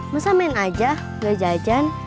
masa main aja gak gajan